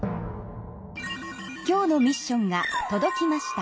今日のミッションがとどきました。